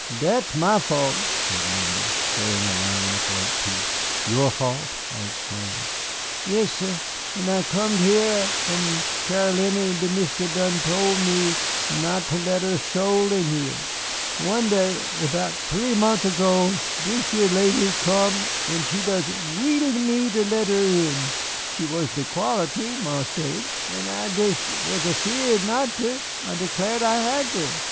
Dat's my fault," said Lindy, showing a line of white teeth. "Your fault," I exclaimed. "Yassir. When I comed here from Caroliny de Mistis done tole me not ter let er soul in hyah. One day erbout three mont's ergo, dis yer lady come en she des wheedled me ter let her in. She was de quality, Marse Dave, and I was des' afeard not ter. I declar' I hatter.